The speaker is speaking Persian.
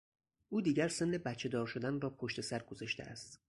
او دیگر سن بچهدار شدن را پشتسر گذاشته است.